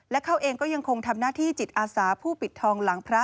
และเขาเองก็ยังคงทำหน้าที่จิตอาสาผู้ปิดทองหลังพระ